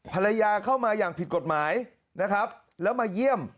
ภรรยาเข้ามาอย่างผิดกฎหมายนะครับแล้วมาเยี่ยม